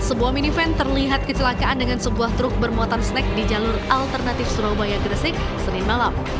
sebuah minifan terlihat kecelakaan dengan sebuah truk bermuatan snack di jalur alternatif surabaya gresik senin malam